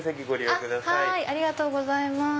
ありがとうございます。